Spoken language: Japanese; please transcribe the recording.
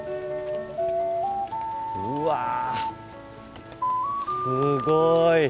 うわすごい。